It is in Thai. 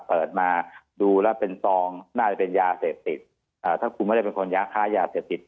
เปิดมาดูแล้วเป็นตองน่าจะเป็นยาเสพติดอ่าถ้าคุณไม่ได้เป็นคนยาค้ายาเสพติด